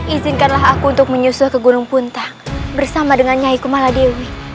izinkanlah aku untuk menyusul ke gunung punta bersama dengan nyai kumaladewi